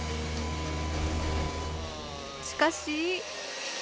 しかし。